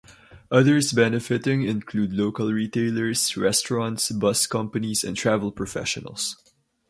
Others benefiting include local retailers, restaurants, bus companies and travel professionals.